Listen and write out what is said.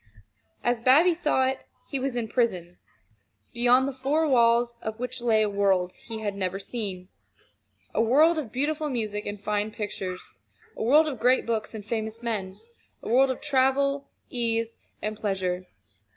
As Bobby saw it, he was in prison, beyond the four walls of which lay a world he had never seen a world of beautiful music and fine pictures; a world of great books and famous men; a world of travel, ease, and pleasure.